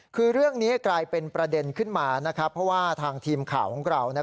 คือเรื่องนี้กลายเป็นประเด็นขึ้นมานะครับเพราะว่าทางทีมข่าวของเรา